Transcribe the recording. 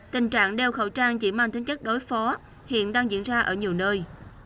tình trạng đeo khẩu trang chỉ mang tính chất đối phó hiện đang diễn ra ở nhiều nơi